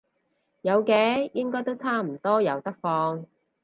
有嘅，應該都差唔多有得放